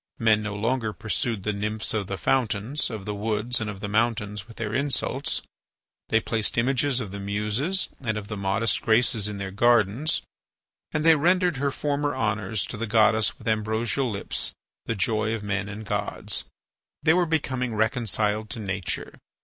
Men no longer pursued the nymphs of the fountains, of the woods, and of the mountains with their insults. They placed images of the Muses and of the modest Graces in their gardens, and they rendered her former honours to the Goddess with ambrosial lips, the joy of men and gods. They were becoming reconciled to nature.